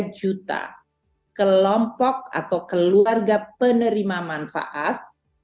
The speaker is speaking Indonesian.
dua puluh satu tiga juta kelompok atau keluarga penerima manfaat